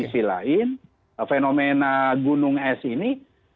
di sisi lain fenomena gunung es ini